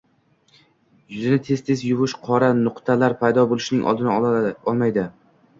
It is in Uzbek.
Yuzni tez-tez yuvish qora nuqtalar paydo bo‘lishining oldini olmaydi